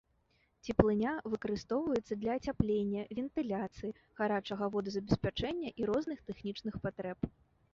Цеплыня выкарыстоўваецца для ацяплення, вентыляцыі, гарачага водазабеспячэння і розных тэхнічных патрэб.